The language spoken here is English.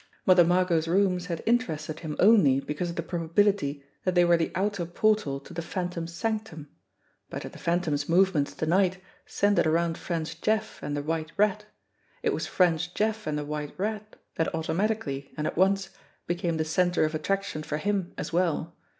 Mother Margot's rooms had interested him only because of the probability that they were the outer portal to the Phantom's sanctum; but if the Phantom's movements to night centred around French Jeff and "The White Rat," it was French Jeff and The White Rat that automatically and at once became the centre of attraction for him as well.